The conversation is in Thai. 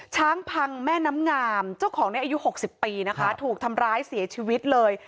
ช้างพังแม่น้ำงามเจ้าของในอายุ๖๐ปีนะคะถูกทำร้ายเสียชีวิตเลย